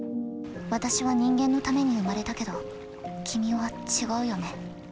私は人間のために生まれたけど君は違うよね。